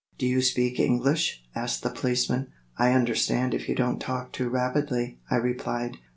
"Do you speak English?" asked the policeman. "I understand if you don't talk too rapidly," I replied.